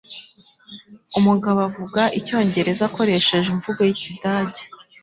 Umugabo avuga icyongereza akoresheje imvugo yikidage.